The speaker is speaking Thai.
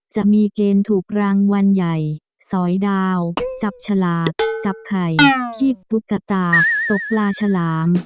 จะมีเกณฑ์ถูกรางวัลใหญ่สอยดาวจับฉลากจับไข่ที่ตุ๊กตาตกปลาฉลาม